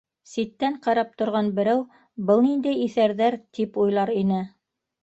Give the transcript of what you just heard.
Ситтән ҡарап торған берәү: «Был ниндәй иҫәрҙәр?» - тип уйлар ине.